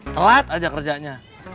telat aja kerjanya